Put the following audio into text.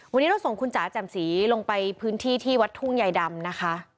วันนี้เราส่งคุณจ๋าแจ่มสีลงไปพื้นที่ที่วัดทุ่งใยดำนะคะ